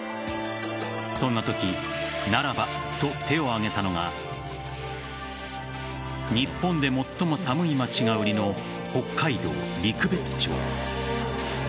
そんなときならばと手を挙げたのが日本で最も寒い町が売りの北海道の陸別町。